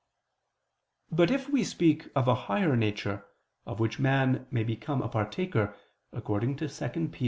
But if we speak of a higher nature, of which man may become a partaker, according to 2 Pet.